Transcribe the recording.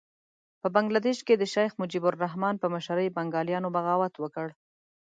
په بنګه دېش کې د شیخ مجیب الرحمن په مشرۍ بنګالیانو بغاوت وکړ.